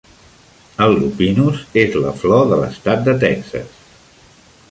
El lupinus és la flor de l'estat de Texas.